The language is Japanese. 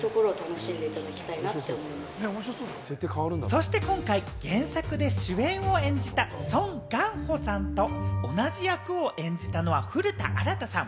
そして今回、原作で主演を演じたソン・ガンホさんと同じ役を演じたのは古田新太さん。